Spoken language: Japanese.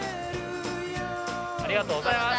ありがとうございます。